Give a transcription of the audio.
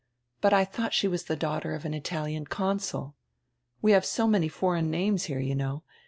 But I thought she was die daughter of an Italian consul. We have so many foreign names here, you know.